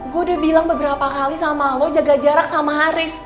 gue udah bilang beberapa kali sama lo jaga jarak sama haris